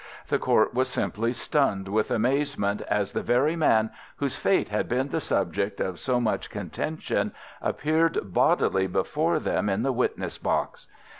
The Court was simply stunned with amazement as the very man whose fate had been the subject of so much contention appeared bodily before them in the witness box.